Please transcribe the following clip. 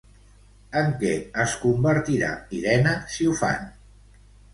En què es convertirà Irena si ho fan?